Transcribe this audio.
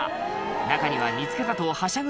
中には「見つけた」とはしゃぐ